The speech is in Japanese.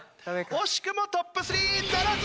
惜しくもトップ３ならず。